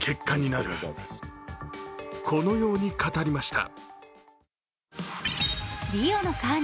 このように語りました。